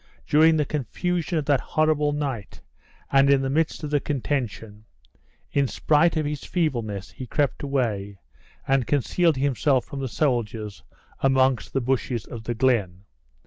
During the confusion of that horrible night, and in the midst of the contention, in spite of his feebleness he crept away, and concealed himself from the soldiers amongst the bushes of the glen.